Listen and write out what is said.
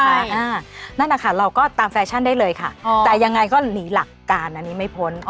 นั่นนะคะเราก็ตามแฟชั่นได้เลยค่ะแต่ยังไงก็หนีหลักการอันนี้ไม่พ้น